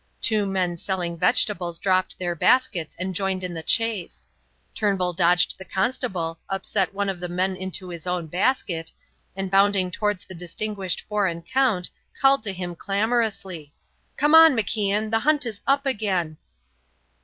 Two men selling vegetables dropped their baskets and joined in the chase. Turnbull dodged the constable, upset one of the men into his own basket, and bounding towards the distinguished foreign Count, called to him clamorously: "Come on, MacIan, the hunt is up again."